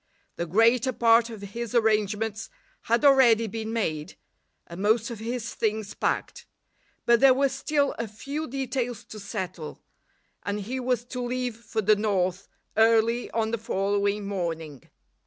The greater part of his arrangements had already been made, and most of his things packed; but there were still a few details to settle, and he was to leave for the north early on the following morning.